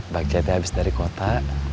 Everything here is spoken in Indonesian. bagjah habis dari kota